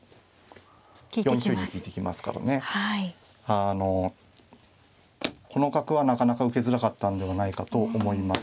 あのこの角はなかなか受けづらかったんではないかと思います。